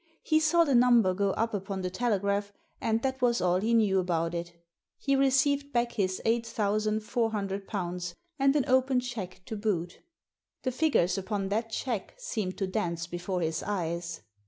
He saw the number go up upon the telegraph, and that was all he knew about it. He received back his eight thousand four hundred pounds, and an open cheque to boot The figures upon that cheque seemed to dance before his eyes.